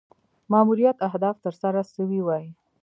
ماموریت اهداف تر سره سوي وای.